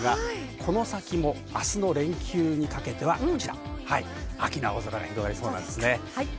この先も明日の連休にかけては秋の青空が広がりそうです。